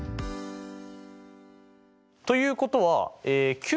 ということはＱ